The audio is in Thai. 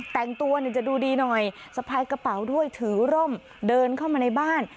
แต่งตัวเนี่ยจะดูดีหน่อยสะพายกระเป๋าด้วยถือร่มเดินเข้ามาในบ้าน